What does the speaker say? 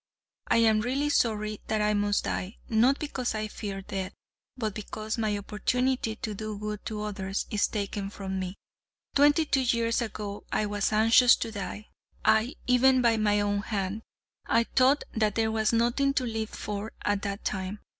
I am really sorry that I must die, not because I fear death, but because my opportunity to do good to others is taken from me. Twenty two years ago I was anxious to die, aye even by my own hand. I thought that there was nothing to live for at that time.